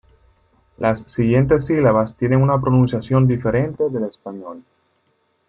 Las siguientes sílabas tienen una pronunciación diferente del español.